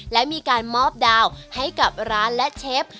และมีการมอบดาวให้กับร้านและเชฟ